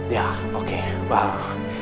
ya oke paham